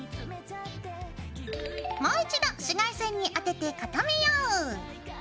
もう一度紫外線に当てて固めよう！